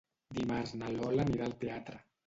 Dimarts na Lola anirà al teatre.